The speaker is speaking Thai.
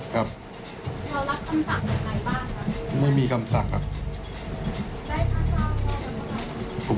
ครับแล้วรับคำศักดิ์ใครบ้างครับไม่มีคำศักดิ์ครับ